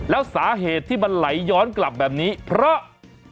แล้วสาเหตุที่มันไหลย้อนกลับแบบนี้เพราะ